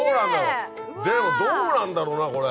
でもどうなんだろうなこれ。